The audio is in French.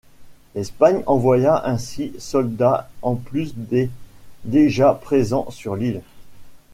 L'Espagne envoya ainsi soldats en plus des déjà présents sur l'île.